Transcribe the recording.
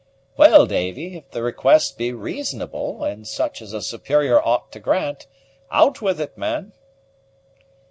"Well, Davy, if the request be reasonable, and such as a superior ought to grant, out with it, man."